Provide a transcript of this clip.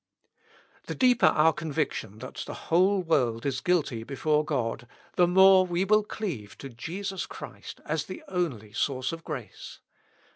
The deeper our conviction that the whole world is guilty before God, the more will we cleave to Jesus Christ as the only source of grace.